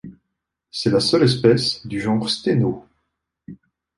C'est la seule espèce du genre Steno.